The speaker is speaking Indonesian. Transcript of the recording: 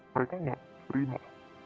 mereka nggak terima